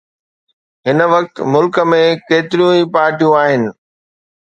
هن وقت ملڪ ۾ ڪيتريون ئي پارٽيون آهن